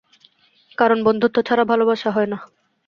কারন বন্ধুত্ব ছাড়া ভালোবাসা হয় না।